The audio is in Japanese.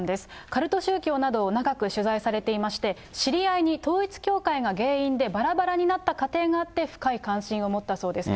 カルト宗教などを長く取材されていまして、知り合いに統一教会が原因でばらばらになった家庭があって、深い関心を持ったそうです。